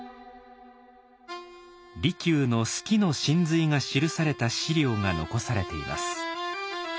利休の数寄の神髄が記された史料が残されています。